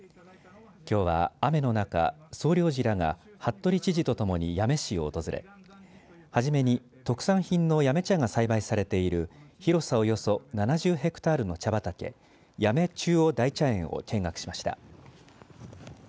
きょうは雨の中総領事らが服部知事とともに八女市を訪れ初めに特産品の八女茶が栽培されている広さおよそ７０ヘクタールの茶畑八女中央大茶園を見学しました。